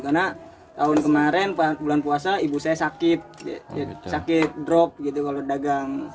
karena tahun kemarin bulan puasa ibu saya sakit sakit drop gitu kalau dagang